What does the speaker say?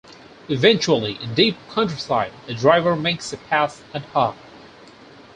Eventually, in deep countryside, a driver makes a pass at her.